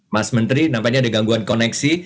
mas menteri nampaknya ada gangguan koneksi